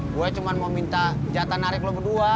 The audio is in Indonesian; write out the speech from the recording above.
gue cuma mau minta jatah narik lo kedua